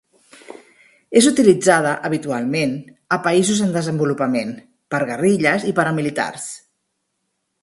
És utilitzada habitualment a països en desenvolupament, per guerrilles i paramilitars.